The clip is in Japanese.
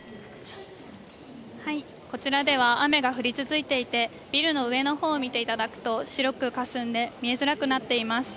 こちらでは雨が降り続いていて、ビルの上の方を見ていただくと白くかすんで見えづらくなっています。